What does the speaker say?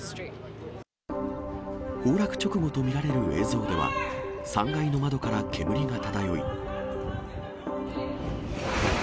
崩落直後と見られる映像では、３階の窓から煙が漂い。